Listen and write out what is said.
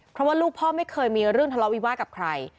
เพราะว่าลูกพ่อไม่เคยมีเรื่องทะเลาวิวาสกับใคร